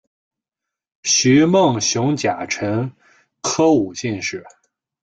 徐梦熊甲辰科武进士。